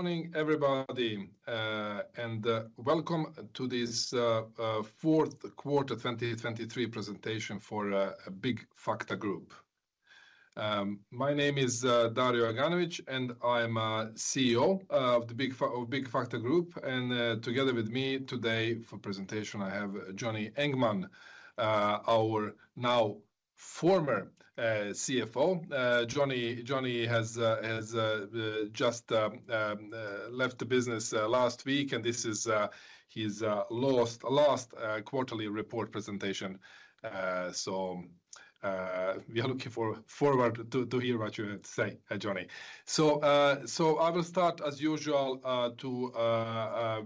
Morning, everybody, and welcome to this fourth quarter 2023 presentation for Byggfakta Group. My name is Dario Aganovic, and I'm CEO of Byggfakta Group, and together with me today for presentation, I have Johnny Engman, our now former CFO. Johnny has just left the business last week, and this is his last quarterly report presentation. So we are looking forward to hear what you have to say, Johnny. So I will start as usual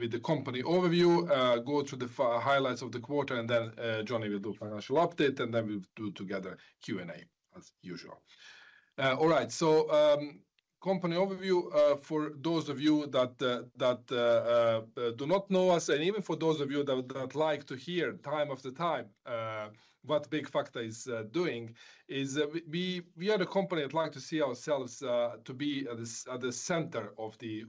with the company overview, go through the highlights of the quarter, and then Johnny will do financial update, and then we'll do together Q&A as usual. All right, so, company overview, for those of you that do not know us, and even for those of you that would like to hear time after time, what Byggfakta is doing, is, we are the company that like to see ourselves to be at the center of the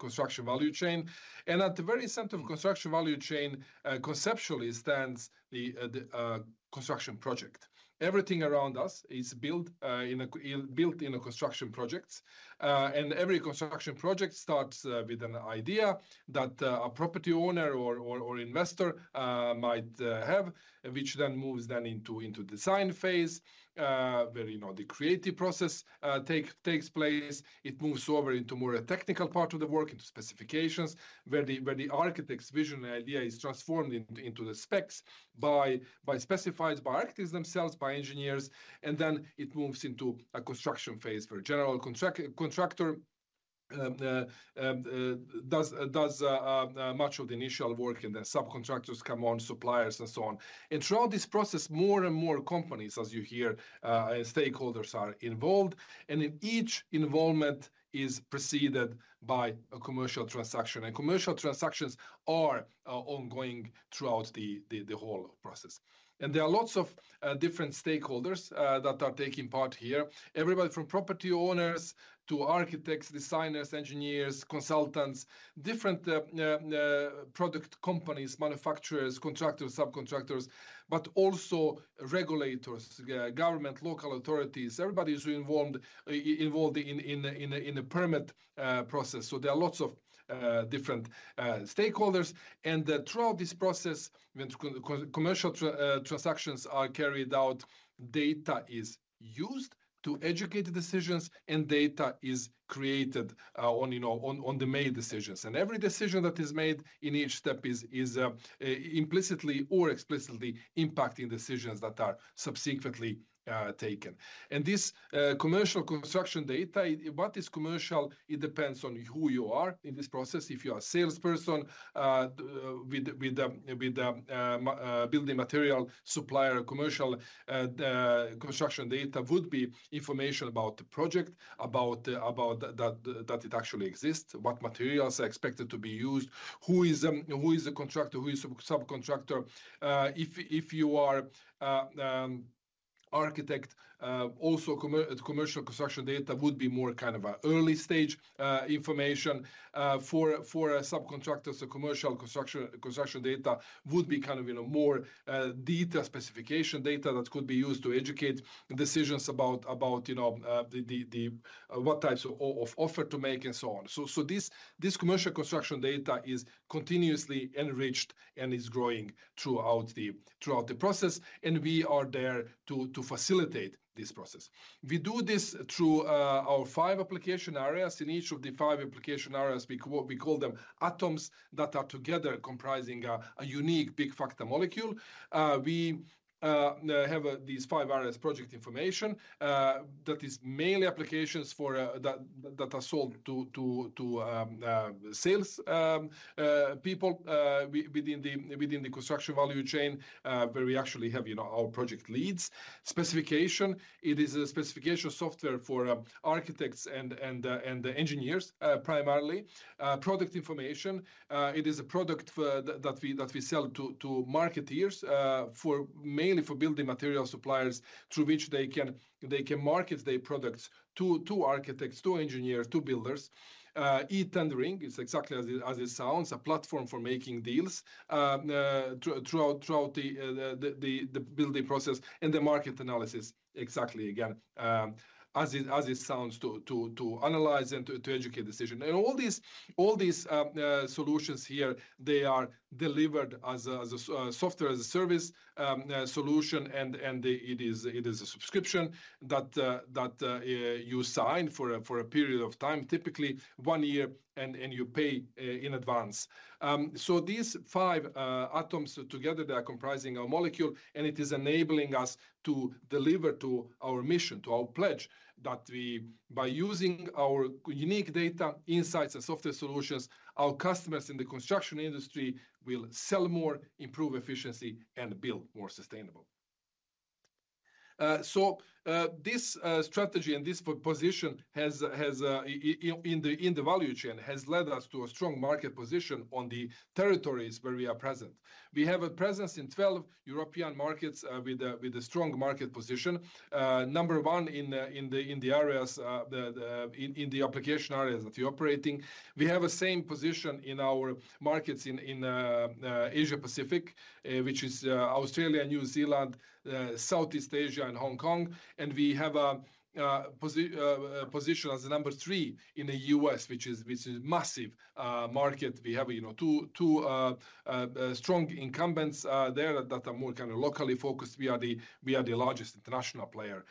construction value chain. And at the very center of construction value chain, conceptually stands the construction project. Everything around us is built in construction projects. And every construction project starts with an idea that a property owner or investor might have, which then moves into design phase, where, you know, the creative process takes place. It moves over into more a technical part of the work, into Specifications, where the architect's vision and idea is transformed into the specs by architects themselves, by engineers, and then it moves into a construction phase, where general contractor does much of the initial work, and then subcontractors come on, suppliers, and so on. And throughout this process, more and more companies, as you hear, stakeholders are involved, and in each involvement is preceded by a commercial transaction, and commercial transactions are ongoing throughout the whole process. And there are lots of different stakeholders that are taking part here. Everybody from property owners to architects, designers, engineers, consultants, different product companies, manufacturers, contractors, subcontractors, but also regulators, government, local authorities, everybody is involved in a permit process. So there are lots of different stakeholders. And throughout this process, when commercial transactions are carried out, data is used to educate the decisions, and data is created on, you know, the made decisions. And every decision that is made in each step is implicitly or explicitly impacting decisions that are subsequently taken. And this commercial construction data, what is commercial? It depends on who you are in this process. If you are a salesperson with building material supplier, commercial construction data would be information about the project, about that it actually exists, what materials are expected to be used, who is the contractor, who is subcontractor. If you are architect, also commercial construction data would be more kind of a early stage information. For a subcontractors, the commercial construction data would be kind of, you know, more detail specification data that could be used to educate decisions about, you know, what types of offer to make and so on. So this commercial construction data is continuously enriched and is growing throughout the process, and we are there to facilitate this process. We do this through our five application areas. In each of the five application areas, we call them atoms that are together comprising a unique Byggfakta Molecule. We have these five areas: Project Information, that is mainly applications for that are sold to sales people within the construction value chain, where we actually have, you know, our project leads. Specification, it is a Specification software for architects and the engineers, primarily. Product information, it is a product that we sell to marketeers, mainly for building material suppliers, through which they can market their products to architects, to engineers, to builders. e-Tendering is exactly as it sounds, a platform for making deals throughout the building process. Market Analysis, exactly again, as it sounds, to analyze and to educate decision. All these solutions here, they are delivered as a software as a service solution, and it is a subscription that you sign for a period of time, typically one year, and you pay in advance. So these five atoms together, they are comprising a molecule, and it is enabling us to deliver to our mission, to our pledge, that we... By using our unique data, insights, and software solutions, our customers in the construction industry will sell more, improve efficiency, and build more sustainable. This strategy and this position in the value chain has led us to a strong market position on the territories where we are present. We have a presence in 12 European markets with a strong market position. Number one in the application areas that we're operating. We have the same position in our markets in Asia Pacific, which is Australia, New Zealand, Southeast Asia, and Hong Kong. We have a position as number 3 in the U.S., which is massive market. We have, you know, two strong incumbents there that are more kind of locally focused. We are the largest international player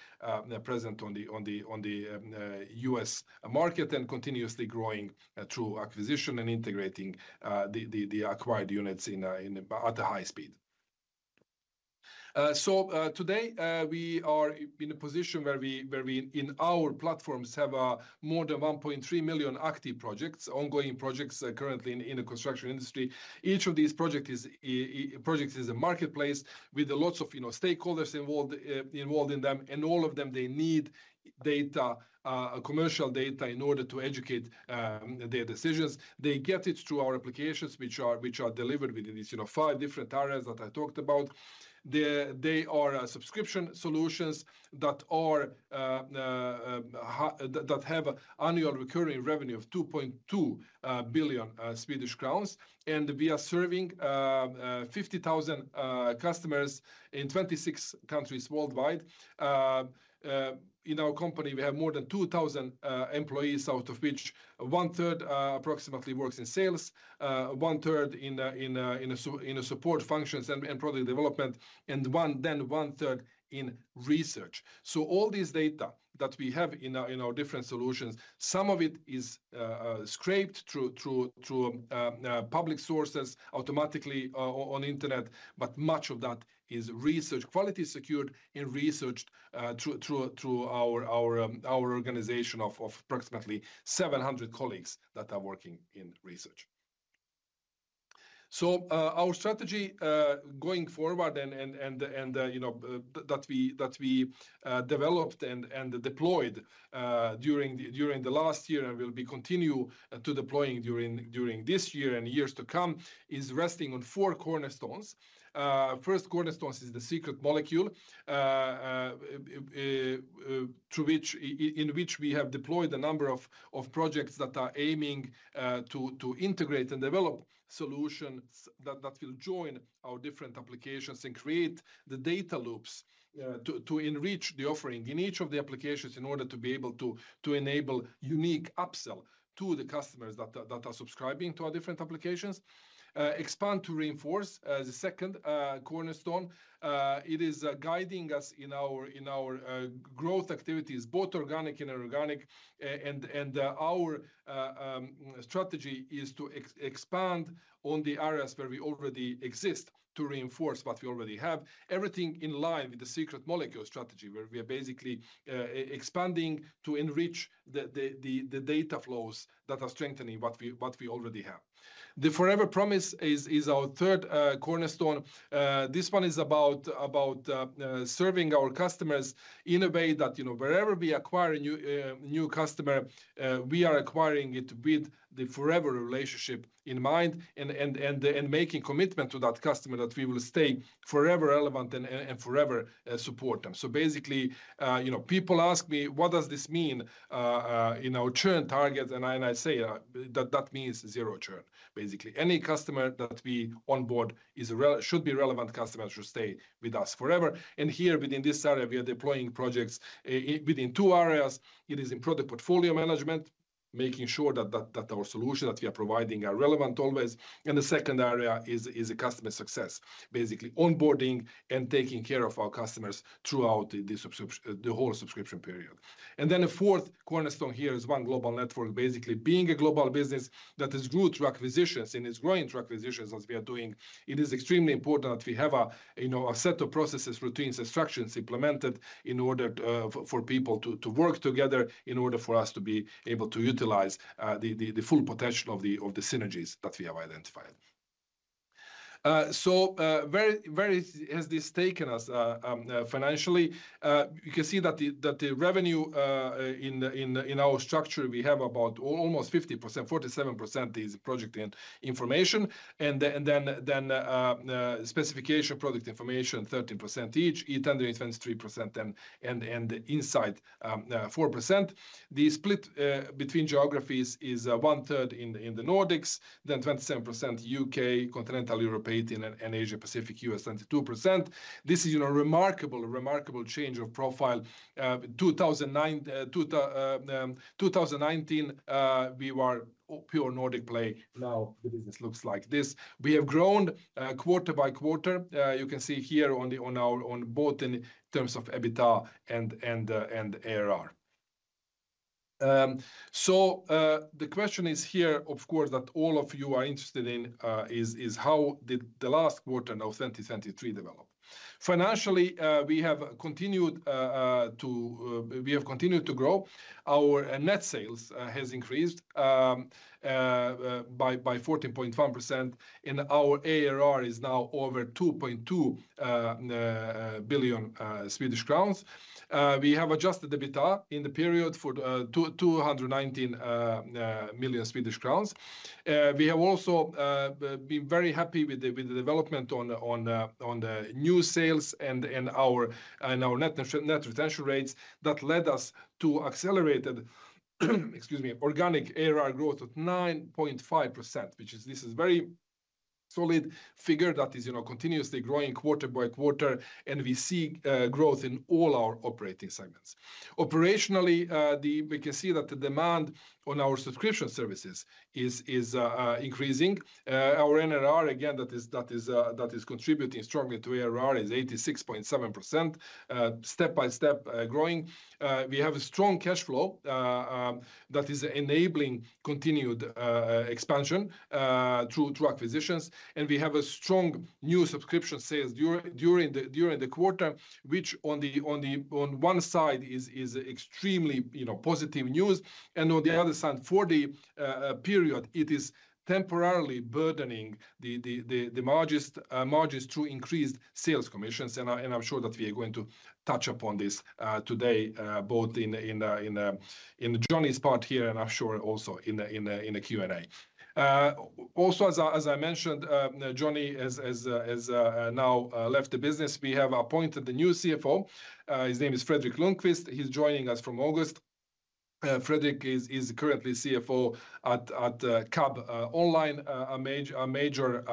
present on the U.S. market, and continuously growing through acquisition and integrating the acquired units at a high speed. So today we are in a position where we in our platforms have more than 1.3 million active projects, ongoing projects currently in the construction industry. Each of these projects is a marketplace with lots of, you know, stakeholders involved in them, and all of them, they need data, commercial data, in order to educate their decisions. They get it through our applications, which are delivered within these, you know, five different areas that I talked about. They are subscription solutions that have annual recurring revenue of 2.2 billion Swedish crowns, and we are serving 50,000 customers in 26 countries worldwide. In our company, we have more than 2,000 employees, out of which one third, approximately, works in sales, one third in support functions and product development, and one third in research. So all this data that we have in our different solutions, some of it is scraped through public sources automatically on the internet, but much of that is research, quality secured and researched through our organization of approximately 700 colleagues that are working in research. So our strategy going forward and you know that we developed and deployed during the last year and will be continue to deploying during this year and years to come is resting on four cornerstones. First cornerstone is the Secret Molecule through which in which we have deployed a number of projects that are aiming to integrate and develop solutions that will join our different applications and create the data loops to enrich the offering in each of the applications, in order to be able to enable unique upsell to the customers that are subscribing to our different applications. Expand to Reinforce the second cornerstone. It is guiding us in our growth activities, both organic and inorganic, and our strategy is to expand on the areas where we already exist, to reinforce what we already have. Everything in line with the Secret Molecule strategy, where we are basically expanding to enrich the data flows that are strengthening what we already have. The Forever Promise is our third cornerstone. This one is about serving our customers in a way that, you know, wherever we acquire a new customer, we are acquiring it with the forever relationship in mind and making commitment to that customer that we will stay forever relevant and forever support them. So basically, you know, people ask me: What does this mean in our churn target? And I say that that means 0 churn. Basically, any customer that we onboard should be relevant customer, should stay with us forever. And here, within this area, we are deploying projects within two areas. It is in product portfolio management, making sure that our solution that we are providing are relevant always. And the second area is a customer success, basically onboarding and taking care of our customers throughout the subscription, the whole subscription period. And then a fourth cornerstone here is One Global Network. Basically, being a global business that has grew through acquisitions and is growing through acquisitions as we are doing, it is extremely important that we have a, you know, a set of processes, routines, and structures implemented in order for people to work together, in order for us to be able to utilize the full potential of the synergies that we have identified. So, where has this taken us, financially? You can see that the revenue in our structure, we have about almost 50%, 47% is Project Information, and then Specification Product Information, 13% each, e-Tender is 23%, and Insight 4%. The split between geographies is one third in the Nordics, then 27% U.K., Continental Europe and Asia Pacific, U.S. 22%. This is a remarkable, remarkable change of profile. 2009, 2019, we were pure Nordic play. Now, the business looks like this. We have grown quarter by quarter. You can see here on our both in terms of EBITDA and ARR. So, the question is here, of course, that all of you are interested in, is how did the last quarter, now 2023, develop? Financially, we have continued to grow. Our net sales has increased by 14.1%, and our ARR is now over 2.2 billion Swedish crowns. We have adjusted the EBITDA in the period for 219 million Swedish crowns. We have also been very happy with the development on the new sales and our net retention rates that led us to accelerated, excuse me, organic ARR growth of 9.5%, which is—this is very solid figure that is, you know, continuously growing quarter by quarter, and we see growth in all our operating segments. Operationally, we can see that the demand on our subscription services is increasing. Our NRR, again, that is contributing strongly to ARR, is 86.7%, step by step growing. We have a strong cash flow that is enabling continued expansion through acquisitions. We have a strong new subscription sales during the quarter, which on one side is extremely, you know, positive news. And on the other side, for the period, it is temporarily burdening the margins through increased sales commissions. And I'm sure that we are going to touch upon this today, both in the Johnny's part here, and I'm sure also in the Q&A. Also, as I mentioned, Johnny has now left the business. We have appointed a new CFO. His name is Fredrik Lundqvist. He's joining us from August. Fredrik is currently CFO at Cabonline, a major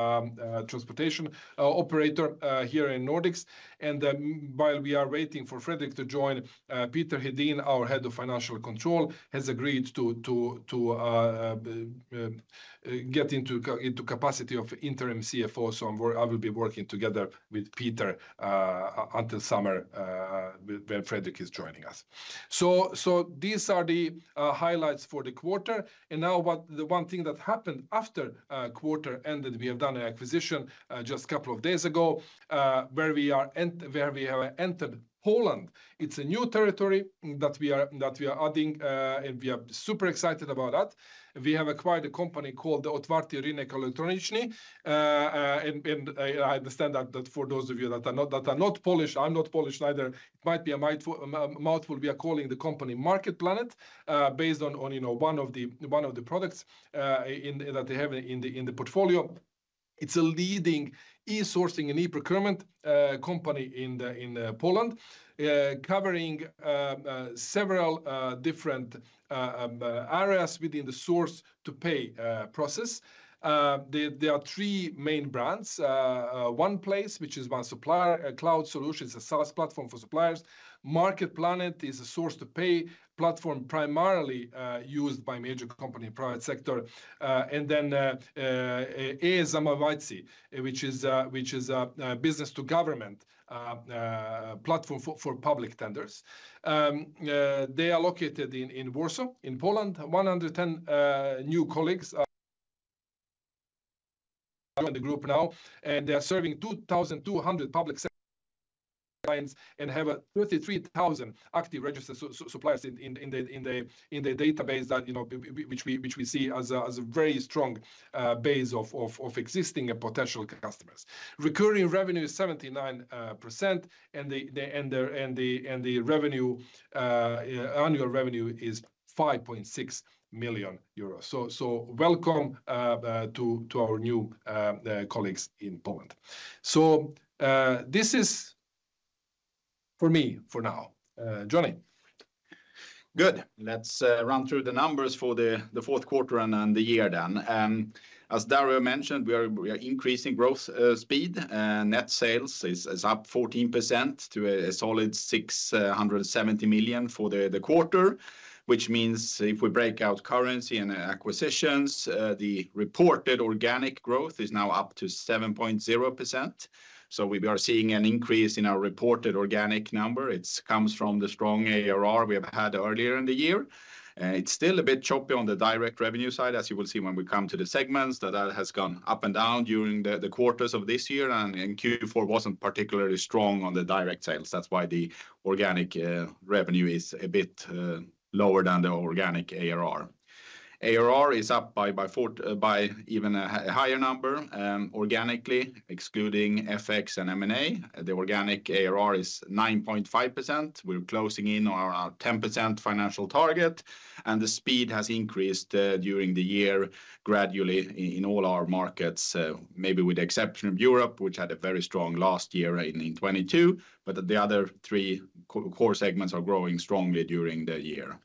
transportation operator here in Nordics. And while we are waiting for Fredrik to join, Peter Hedin, our head of financial control, has agreed to get into capacity of interim CFO. So I will be working together with Peter until summer, when Fredrik is joining us. So these are the highlights for the quarter. And now, the one thing that happened after quarter ended, we have done an acquisition just a couple of days ago, where we have entered Poland. It's a new territory that we are adding, and we are super excited about that. We have acquired a company called the Otwarty Rynek Elektroniczny. I understand that for those of you that are not Polish, I'm not Polish neither, it might be a mouthful. We are calling the company Marketplanet, based on, you know, one of the products that they have in the portfolio. It's a leading e-sourcing and e-procurement company in Poland, covering several different areas within the source-to-pay process. There are three main brands. OnePlace, which is a supplier cloud solutions SaaS platform for suppliers. Marketplanet is a source-to-pay platform, primarily used by major company in private sector. And then e-Zamówienia, which is business-to-government platform for public tenders. They are located in Warsaw, in Poland. 110 new colleagues are in the group now, and they are serving 2,200 public sector clients and have 33,000 active registered suppliers in the database that, you know, which we see as a very strong base of existing and potential customers. Recurring revenue is 79%, and the annual revenue is 5.6 million euros. So welcome to our new colleagues in Poland. So, this is for me for now. Johnny? Good. Let's run through the numbers for the fourth quarter and then the year then. As Dario mentioned, we are increasing growth speed. Net sales is up 14% to a solid 670 million for the quarter, which means if we break out currency and acquisitions, the reported organic growth is now up to 7.0%. So we are seeing an increase in our reported organic number. It's comes from the strong ARR we have had earlier in the year. It's still a bit choppy on the direct revenue side, as you will see when we come to the segments, that has gone up and down during the quarters of this year, and Q4 wasn't particularly strong on the direct sales. That's why the organic revenue is a bit lower than the organic ARR. ARR is up by even a higher number organically, excluding FX and M&A. The organic ARR is 9.5%. We're closing in on our 10% financial target, and the speed has increased during the year, gradually in all our markets, maybe with the exception of Europe, which had a very strong last year in 2022. But the other three core segments are growing strongly during the year.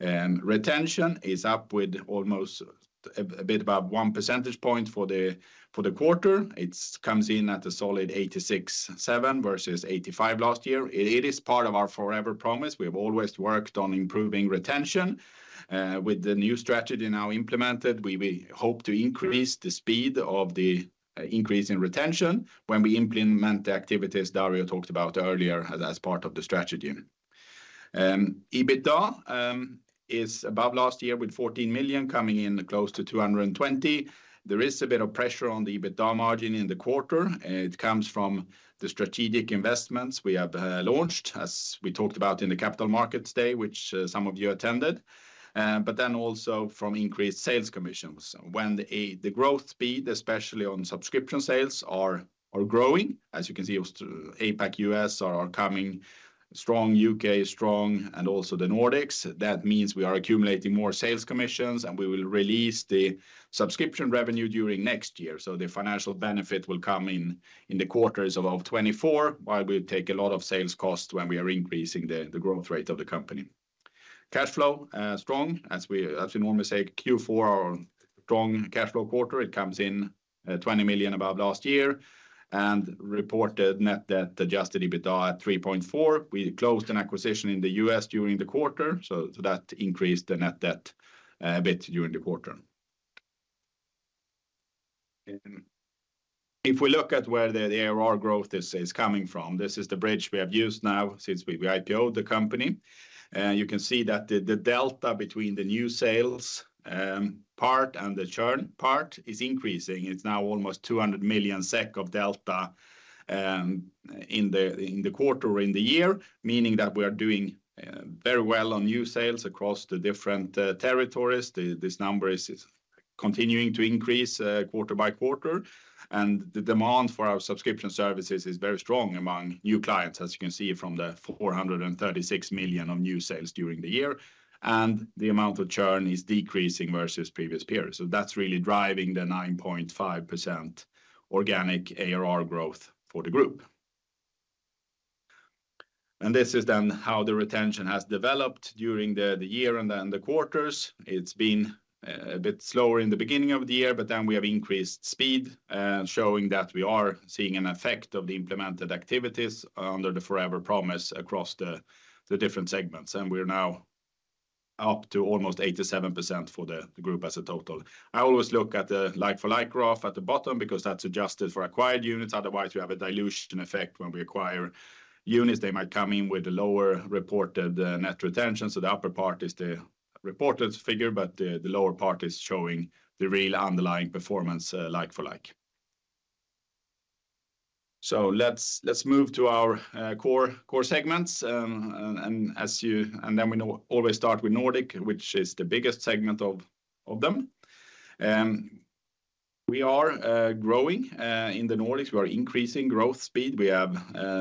Retention is up with almost a bit above one percentage point for the quarter. It comes in at a solid 86.7 versus 85 last year. It is part of our Forever Promise. We have always worked on improving retention. With the new strategy now implemented, we hope to increase the speed of the increase in retention when we implement the activities Dario talked about earlier as part of the strategy. EBITDA is above last year, with 14 million coming in close to 220 million. There is a bit of pressure on the EBITDA margin in the quarter. It comes from the strategic investments we have launched, as we talked about in the Capital Markets Day, which some of you attended. But then also from increased sales commissions. When the growth speed, especially on subscription sales, are growing, as you can see, also APAC, U.S. are coming strong, U.K. is strong, and also the Nordics. That means we are accumulating more sales commissions, and we will release the subscription revenue during next year. So the financial benefit will come in the quarters of 2024, while we take a lot of sales costs when we are increasing the growth rate of the company. Cash flow strong, as we normally say, Q4 is a strong cash flow quarter. It comes in 20 million above last year, and reported net debt adjusted EBITDA at 3.4. We closed an acquisition in the U.S. during the quarter, so that increased the net debt a bit during the quarter. And if we look at where the ARR growth is coming from, this is the bridge we have used now since we IPO the company. You can see that the delta between the new sales part and the churn part is increasing. It's now almost 200 million SEK of delta in the quarter, in the year, meaning that we are doing very well on new sales across the different territories. This number is continuing to increase quarter by quarter, and the demand for our subscription services is very strong among new clients, as you can see from the 436 million of new sales during the year. And the amount of churn is decreasing versus previous period. So that's really driving the 9.5% organic ARR growth for the group. And this is then how the retention has developed during the year and then the quarters. It's been a bit slower in the beginning of the year, but then we have increased speed, showing that we are seeing an effect of the implemented activities under the Forever Promise across the different segments. And we're now up to almost 87% for the group as a total. I always look at the like-for-like graph at the bottom, because that's adjusted for acquired units. Otherwise, we have a dilution effect when we acquire units. They might come in with a lower reported net retention, so the upper part is the reported figure, but the lower part is showing the real underlying performance, like for like. So let's move to our core segments. And as you know, we always start with Nordic, which is the biggest segment of them. We are growing in the Nordics. We are increasing growth speed. We have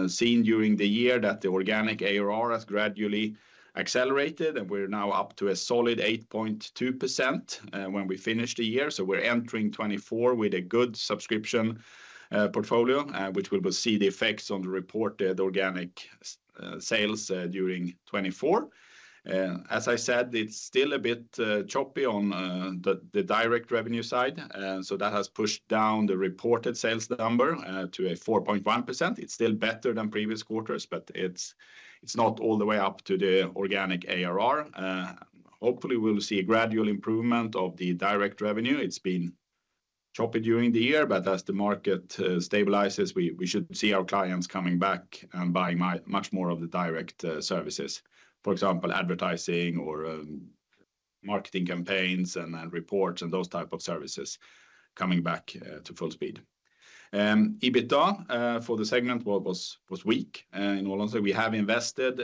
seen during the year that the organic ARR has gradually accelerated, and we're now up to a solid 8.2% when we finish the year. So we're entering 2024 with a good subscription portfolio, which we will see the effects on the reported organic sales during 2024. As I said, it's still a bit choppy on the direct revenue side, so that has pushed down the reported sales number to a 4.1%. It's still better than previous quarters, but it's not all the way up to the organic ARR. Hopefully, we'll see a gradual improvement of the direct revenue. It's been choppy during the year, but as the market stabilizes, we should see our clients coming back and buying much more of the direct services. For example, advertising or marketing campaigns and reports and those type of services coming back to full speed. EBITDA for the segment was weak. In all honesty, we have invested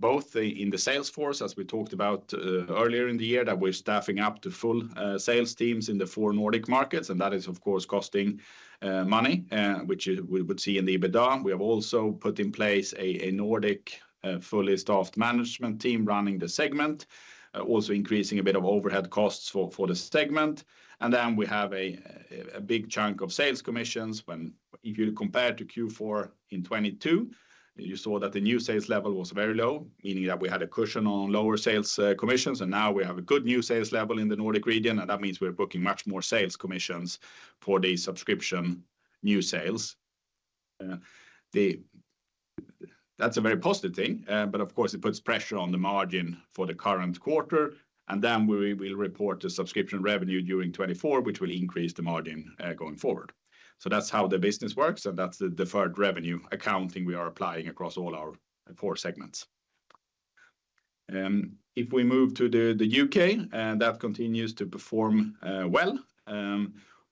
both in the sales force, as we talked about earlier in the year, that we're staffing up to full sales teams in the four Nordic markets, and that is, of course, costing money, which we would see in the EBITDA. We have also put in place a Nordic fully staffed management team running the segment, also increasing a bit of overhead costs for the segment. And then we have a big chunk of sales commissions when... If you compare to Q4 in 2022, you saw that the new sales level was very low, meaning that we had a cushion on lower sales commissions, and now we have a good new sales level in the Nordic region, and that means we're booking much more sales commissions for the subscription new sales. That's a very positive thing, but of course, it puts pressure on the margin for the current quarter, and then we'll report the subscription revenue during 2024, which will increase the margin going forward. So that's how the business works, and that's the deferred revenue accounting we are applying across all our four segments. If we move to the U.K., that continues to perform well.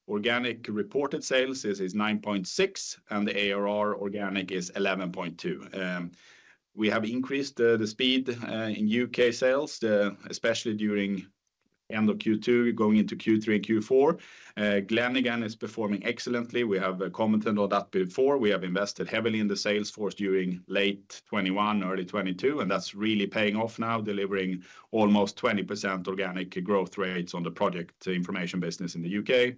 Organic reported sales is 9.6, and the ARR organic is 11.2. We have increased the speed in U.K. sales, especially during end of Q2, going into Q3, Q4. Glenigan is performing excellently. We have commented on that before. We have invested heavily in the sales force during late 2021, early 2022, and that's really paying off now, delivering almost 20% organic growth rates on the Project Information business in the U.K.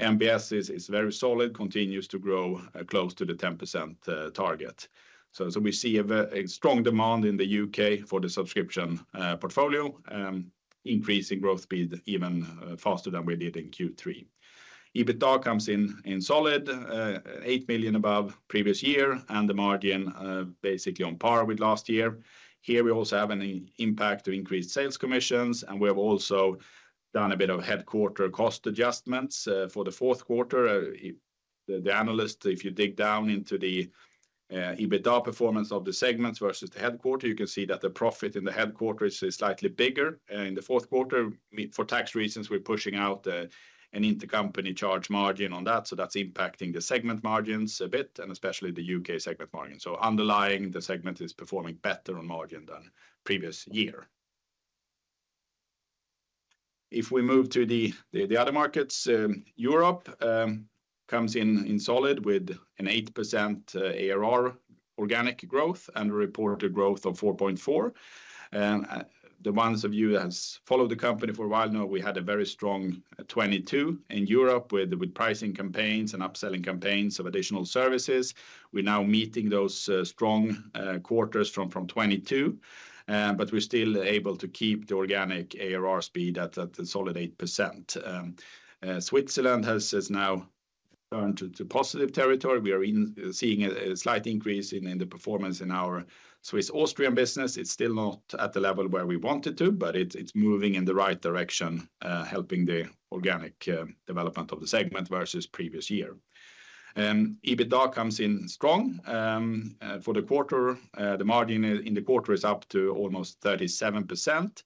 NBS is very solid, continues to grow close to the 10% target. So we see a strong demand in the U.K. for the subscription portfolio, increasing growth speed even faster than we did in Q3. EBITDA comes in solid, 8 million above previous year, and the margin basically on par with last year. Here, we also have an impact of increased sales commissions, and we have also done a bit of headquarters cost adjustments for the fourth quarter. The analyst, if you dig down into the EBITDA performance of the segments versus the headquarters, you can see that the profit in the headquarters is slightly bigger. In the fourth quarter, for tax reasons, we're pushing out an intercompany charge margin on that, so that's impacting the segment margins a bit, and especially the U.K. segment margin. So underlying, the segment is performing better on margin than previous year. If we move to the other markets, Europe comes in solid with an 8% ARR organic growth and a reported growth of 4.4%. The ones of you that has followed the company for a while know we had a very strong 2022 in Europe with pricing campaigns and upselling campaigns of additional services. We're now meeting those strong quarters from 2022. But we're still able to keep the organic ARR speed at a solid 8%. Switzerland has now turned to positive territory. We are seeing a slight increase in the performance in our Swiss Austrian business. It's still not at the level where we want it to, but it's moving in the right direction, helping the organic development of the segment versus previous year. EBITDA comes in strong. For the quarter, the margin in the quarter is up to almost 37%,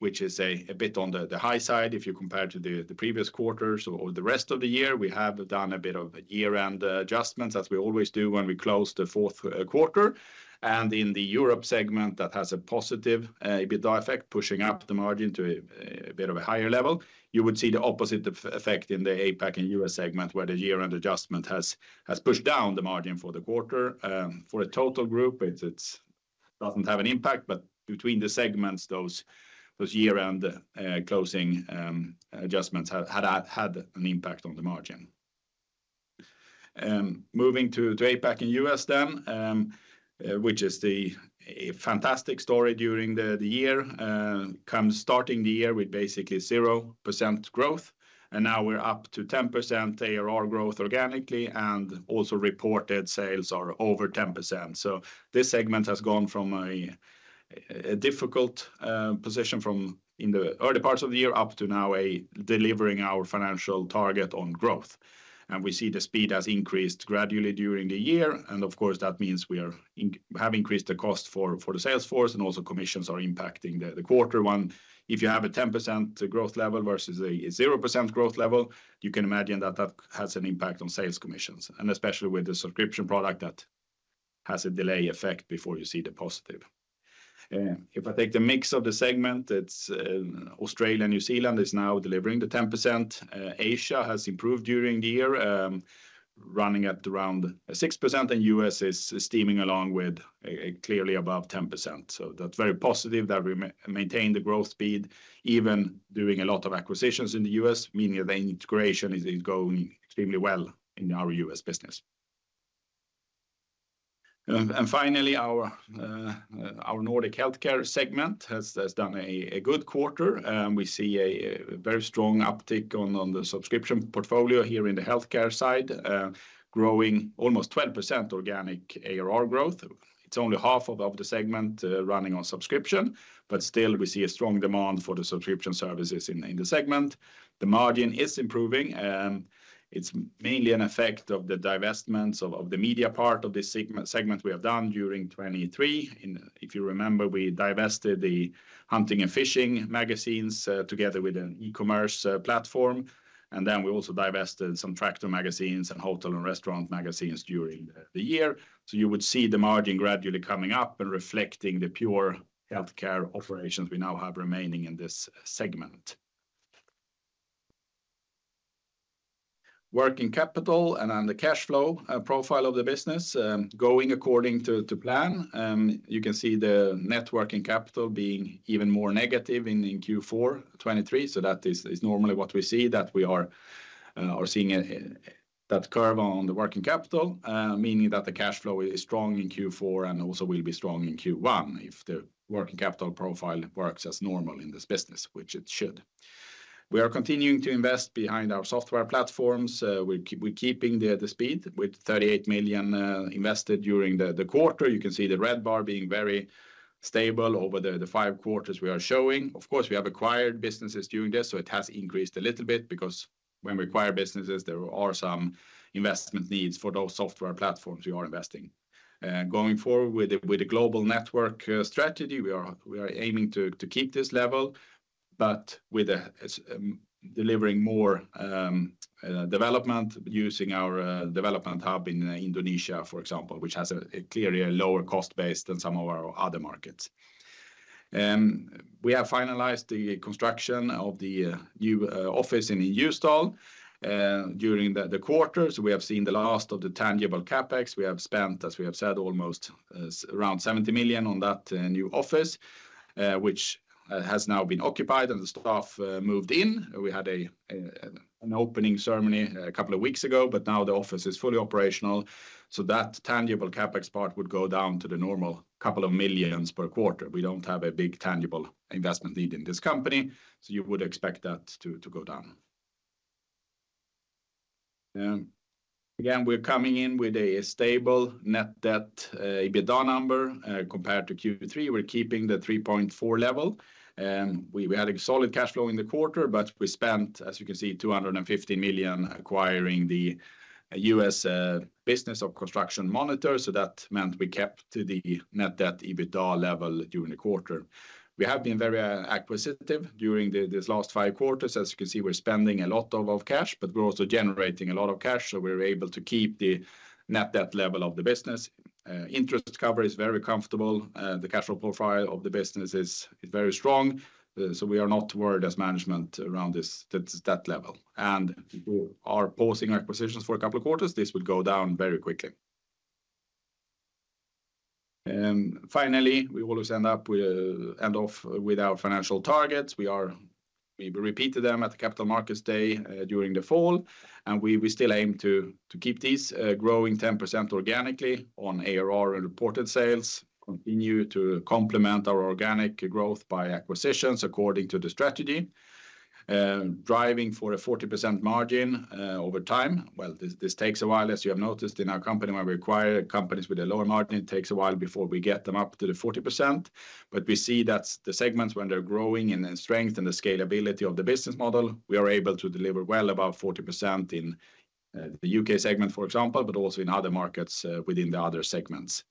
which is a bit on the high side if you compare to the previous quarters or the rest of the year. We have done a bit of year-end adjustments, as we always do when we close the fourth quarter, and in the Europe segment, that has a positive EBITDA effect, pushing up the margin to a bit of a higher level. You would see the opposite effect in the APAC and U.S. segment, where the year-end adjustment has pushed down the margin for the quarter. For the total group, it doesn't have an impact, but between the segments, those year-end closing adjustments have had an impact on the margin. Moving to APAC and U.S. then, which is a fantastic story during the year. Comes starting the year with basically 0% growth, and now we're up to 10% ARR growth organically, and also reported sales are over 10%. So this segment has gone from a difficult position in the early parts of the year, up to now delivering our financial target on growth. We see the speed has increased gradually during the year, and of course, that means we have increased the cost for the sales force, and also commissions are impacting the quarter one. If you have a 10% growth level versus a 0% growth level, you can imagine that that has an impact on sales commissions, and especially with the subscription product that has a delay effect before you see the positive. If I take the mix of the segment, it's Australia, New Zealand is now delivering the 10%. Asia has improved during the year, running at around 6%, and U.S. is steaming along with a clearly above 10%. So that's very positive that we maintain the growth speed, even doing a lot of acquisitions in the U.S., meaning the integration is going extremely well in our U.S. business. And finally, our Nordic Healthcare segment has done a good quarter. We see a very strong uptick on the subscription portfolio here in the healthcare side, growing almost 12% organic ARR growth. It's only half of the segment running on subscription, but still, we see a strong demand for the subscription services in the segment. The margin is improving; it's mainly an effect of the divestments of the media part of the segment we have done during 2023. If you remember, we divested the hunting and fishing magazines together with an e-commerce platform, and then we also divested some tractor magazines and hotel and restaurant magazines during the year. So you would see the margin gradually coming up and reflecting the pure healthcare operations we now have remaining in this segment. Working capital and on the cash flow profile of the business going according to plan. You can see the net working capital being even more negative in Q4 2023, so that is normally what we see, that we are seeing that curve on the working capital, meaning that the cash flow is strong in Q4 and also will be strong in Q1, if the working capital profile works as normal in this business, which it should. We are continuing to invest behind our software platforms. We're keeping the speed with 38 million invested during the quarter. You can see the red bar being very stable over the five quarters we are showing. Of course, we have acquired businesses during this, so it has increased a little bit because when we acquire businesses, there are some investment needs for those software platforms we are investing. Going forward with the, with the global network, strategy, we are, we are aiming to, to keep this level, but with a, delivering more, development using our, development hub in Indonesia, for example, which has a, a clearly a lower cost base than some of our other markets. We have finalized the construction of the, new, office in Ljusdal. During the, the quarter, so we have seen the last of the tangible CapEx. We have spent, as we have said, almost, around 70 million on that, new office, which, has now been occupied and the staff, moved in. We had an opening ceremony a couple of weeks ago, but now the office is fully operational. So that tangible CapEx part would go down to the normal couple of millions per quarter. We don't have a big tangible investment need in this company, so you would expect that to go down. And again, we're coming in with a stable net debt EBITDA number compared to Q3. We're keeping the 3.4 level, and we had a solid cash flow in the quarter, but we spent, as you can see, 250 million acquiring the U.S. business of Construction Monitor. So that meant we kept to the net debt EBITDA level during the quarter. We have been very acquisitive during these last five quarters. As you can see, we're spending a lot of cash, but we're also generating a lot of cash, so we're able to keep the net debt level of the business. Interest cover is very comfortable. The cash flow profile of the business is very strong, so we are not worried as management around that level. We are pausing acquisitions for a couple of quarters. This will go down very quickly. And finally, we will always end up with our financial targets. We repeated them at the Capital Markets Day, during the fall, and we still aim to keep this growing 10% organically on ARR and reported sales. Continue to complement our organic growth by acquisitions according to the strategy. Driving for a 40% margin over time. Well, this takes a while, as you have noticed in our company, when we acquire companies with a lower margin, it takes a while before we get them up to the 40%. But we see that the segments, when they're growing, and the strength, and the scalability of the business model, we are able to deliver well above 40% in the U.K. segment, for example, but also in other markets within the other segments.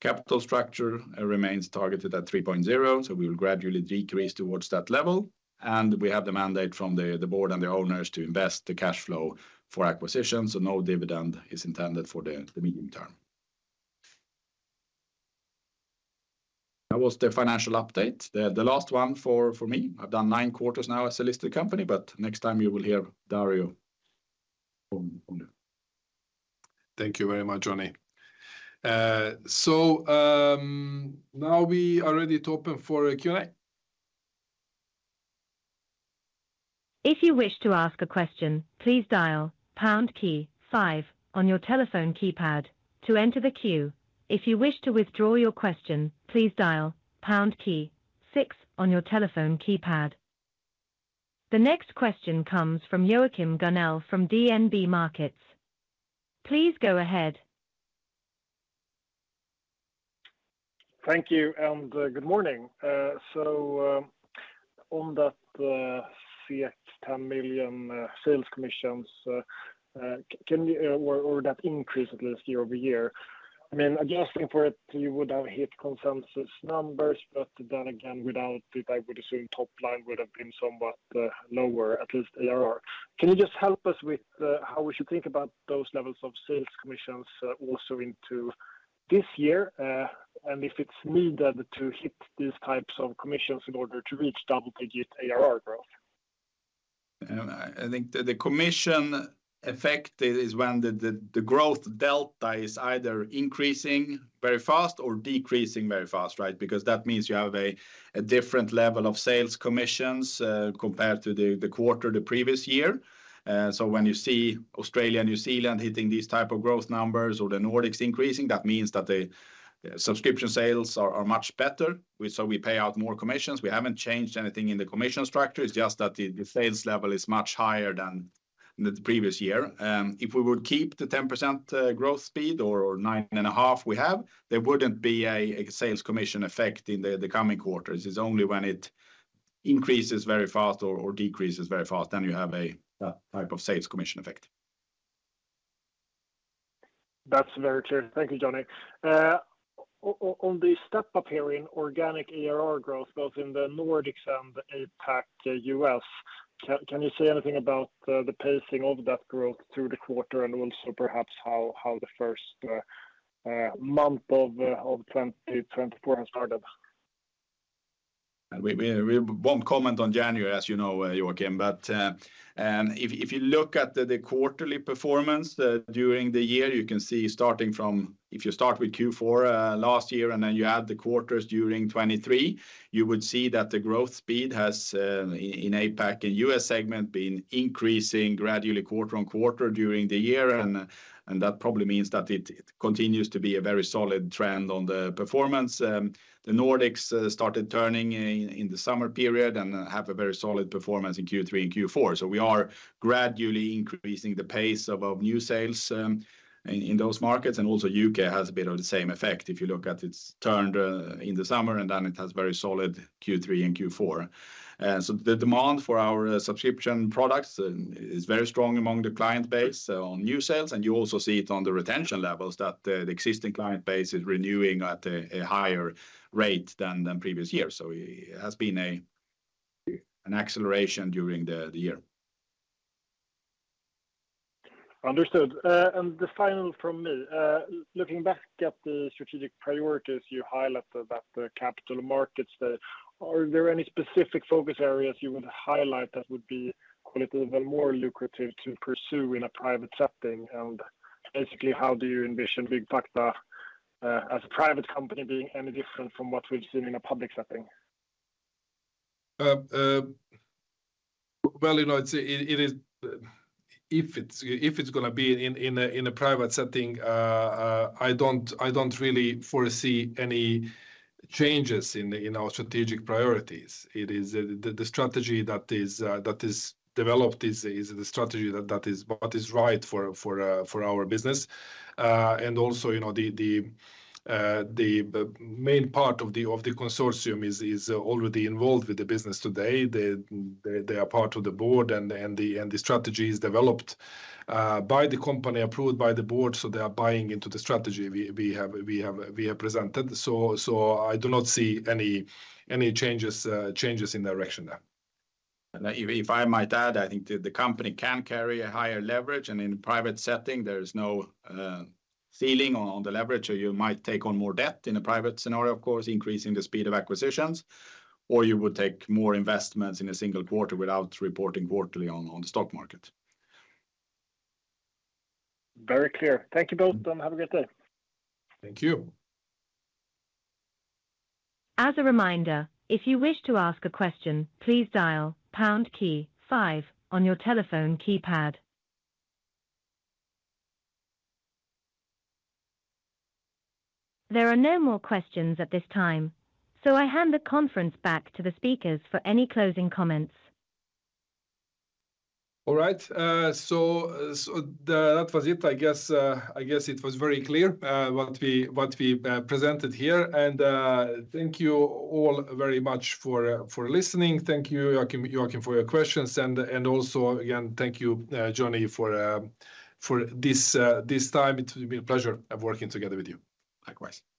Capital structure remains targeted at 3.0, so we will gradually decrease towards that level, and we have the mandate from the board and the owners to invest the cash flow for acquisitions, so no dividend is intended for the medium term. That was the financial update. The last one for me. I've done nine quarters now as a listed company, but next time you will hear Dario on it. Thank you very much, Johnny. Now we are ready to open for a Q&A. If you wish to ask a question, please dial pound key five on your telephone keypad to enter the queue. If you wish to withdraw your question, please dial pound key six on your telephone keypad. The next question comes from Joachim Gunell from DNB Markets. Please go ahead. Thank you, and, good morning. So, on that, 10 million sales commissions, can you... or, or that increase at least year-over-year. I mean, I'm just looking for it, you would have hit consensus numbers, but then again, without it, I would assume top line would have been somewhat lower, at least ARR. Can you just help us with how we should think about those levels of sales commissions also into this year? And if it's needed to hit these types of commissions in order to reach double-digit ARR growth? I think the commission effect is when the growth delta is either increasing very fast or decreasing very fast, right? Because that means you have a different level of sales commissions compared to the quarter the previous year. So when you see Australia and New Zealand hitting these type of growth numbers or the Nordics increasing, that means that the subscription sales are much better. So we pay out more commissions. We haven't changed anything in the commission structure, it's just that the sales level is much higher than the previous year. If we would keep the 10% growth speed, or 9.5 we have, there wouldn't be a sales commission effect in the coming quarters. It's only when it increases very fast or, or decreases very fast, then you have a type of sales commission effect. That's very clear. Thank you, Johnny. On the step up here in organic ARR growth, both in the Nordics and the APAC, U.S., can you say anything about the pacing of that growth through the quarter? And also perhaps how the first month of twenty twenty-four has started? We won't comment on January, as you know, Joachim. But if you look at the quarterly performance during the year, you can see starting from... If you start with Q4 last year, and then you add the quarters during 2023, you would see that the growth speed has in APAC and U.S. segment been increasing gradually quarter-on-quarter during the year. And that probably means that it continues to be a very solid trend on the performance. The Nordics started turning in in the summer period and have a very solid performance in Q3 and Q4. So we are gradually increasing the pace of new sales in those markets, and also U.K. has a bit of the same effect. If you look at it's turned in the summer, and then it has very solid Q3 and Q4. So the demand for our subscription products is very strong among the client base on new sales, and you also see it on the retention levels, that the existing client base is renewing at a higher rate than previous years. So it has been an acceleration during the year. Understood. The final from me, looking back at the strategic priorities you highlight about the capital markets, are there any specific focus areas you would highlight that would be quite a little bit more lucrative to pursue in a private setting? Basically, how do you envision Byggfakta as a private company being any different from what we've seen in a public setting? Well, you know, it is, if it's gonna be in a private setting, I don't really foresee any changes in our strategic priorities. It is. The strategy that is developed is the strategy that is what is right for our business. And also, you know, the main part of the consortium is already involved with the business today. They are part of the board, and the strategy is developed by the company, approved by the board, so they are buying into the strategy we have presented. So I do not see any changes in the direction there. And if I might add, I think the company can carry a higher leverage, and in private setting, there is no ceiling on the leverage. So you might take on more debt in a private scenario, of course, increasing the speed of acquisitions, or you would take more investments in a single quarter without reporting quarterly on the stock market. Very clear. Thank you both, and have a great day. Thank you. As a reminder, if you wish to ask a question, please dial pound key five on your telephone keypad. There are no more questions at this time, so I hand the conference back to the speakers for any closing comments. All right, so that was it. I guess it was very clear what we presented here. And thank you all very much for listening. Thank you, Joachim, for your questions. And also, again, thank you, Johnny, for this time. It's been a pleasure of working together with you. Likewise.